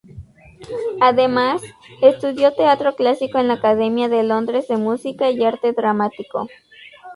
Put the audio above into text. Además, estudió teatro clásico en la Academia de Londres de Música y Arte Dramático.